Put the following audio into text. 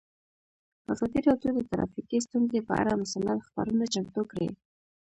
ازادي راډیو د ټرافیکي ستونزې پر اړه مستند خپرونه چمتو کړې.